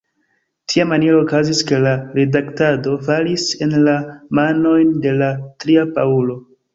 Tiamaniere okazis, ke la redaktado falis en la manojn de la tria Paŭlo!